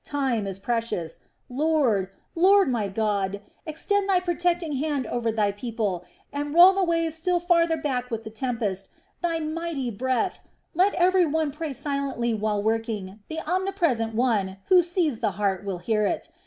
Time is precious! Lord, Lord, my God, extend Thy protecting hand over Thy people, and roll the waves still farther back with the tempest, Thy mighty breath! Let every one pray silently while working, the Omnipresent One, Who sees the heart, will hear it.